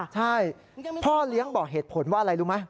ใช่พ่อเลี้ยงบอกเหตุผลว่าอะไรรู้ไหม